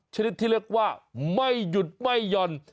ชนิดที่เรียกว่าไม่หยุดไม่หย่อน